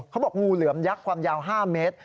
งูเหลือมยักษ์ความยาว๕เมตร